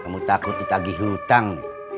kamu takut ditagih hutang